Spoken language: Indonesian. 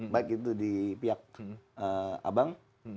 baik itu di pihak abang